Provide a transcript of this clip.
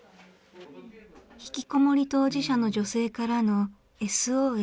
ひきこもり当事者の女性からのＳＯＳ。